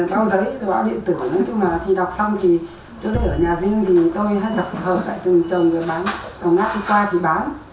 đọc giấy tờ báo điện tử nói chung là đọc xong thì trước đây ở nhà riêng thì tôi hát tập hợp lại từng trồng và bán tổng nát đi qua thì bán